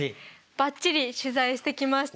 ばっちり取材してきました。